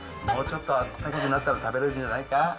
もうちょっとあったかくなったら食べられるんじゃないか。